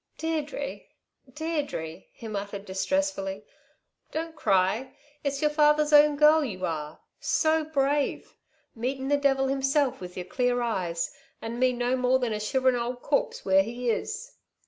"Deirdre! Deirdre!" he muttered distressfully. "Don't cry! It's your father's own girl you are. So brave! Meetin' the devil himself with your clear eyes, 'n me no more than a shiverin' old corpse where he is!"